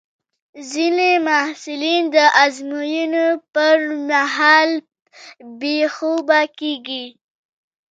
ځینې محصلین د ازموینو پر مهال بې خوبه کېږي.